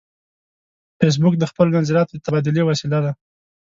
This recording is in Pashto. فېسبوک د خپلو نظریاتو د تبادلې وسیله ده